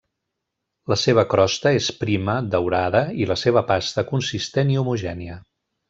La seva crosta és prima, daurada, i la seva pasta consistent i homogènia.